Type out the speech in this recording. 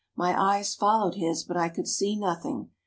My eyes followed his, but I could see nothing.